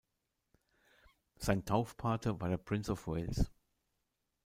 Sein Taufpate war der Prince of Wales.